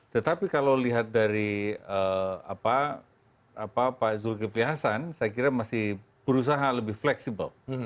tetapi kalau lihat dari pak zulkifli hasan saya kira masih berusaha lebih fleksibel